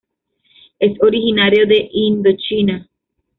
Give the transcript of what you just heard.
Es originario de Indochina.